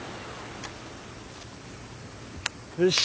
よし。